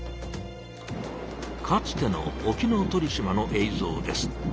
かつての沖ノ鳥島のえいぞうです。